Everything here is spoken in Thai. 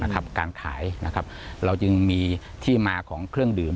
การขายเราจึงมีที่มาของเครื่องดื่ม